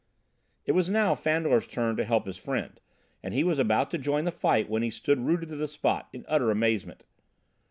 It was now Fandor's turn to help his friend, and he was about to join the fight when he stood rooted to the spot in utter amazement.